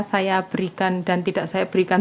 saya berikan dan tidak saya berikan